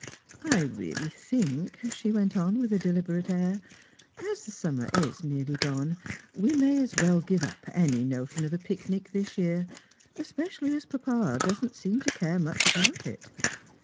" I really think," she went on with a deliberate air, " as the summer is nearly gone, we may as well give up any notion of a picnic this year, especially as papa doesn't seem to care much about it."